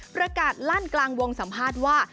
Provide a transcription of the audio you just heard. ประกาศลั่นกลางวงสัมภาษณ์ว่า